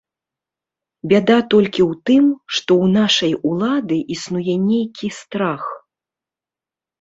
Бяда толькі ў тым, што ў нашай улады існуе нейкі страх.